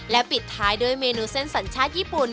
ปิดท้ายด้วยเมนูเส้นสัญชาติญี่ปุ่น